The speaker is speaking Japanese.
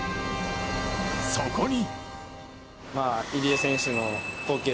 そこに。